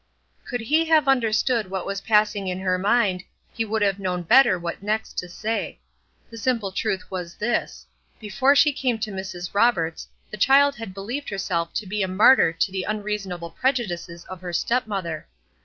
Could he have understood what was passing in her mind he would have known better what next to say. The simple truth was this: Before she came to Mrs. Roberts' the child had believed herself to be a martyr to the unreasonable prejudices of her stepmother.